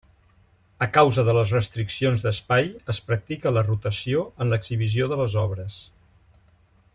A causa de les restriccions d'espai, es practica la rotació en l'exhibició de les obres.